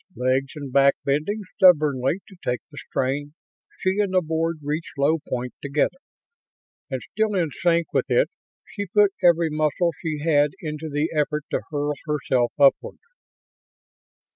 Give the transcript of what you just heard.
Legs and back bending stubbornly to take the strain, she and the board reached low point together, and, still in sync with it, she put every muscle she had into the effort to hurl herself upward.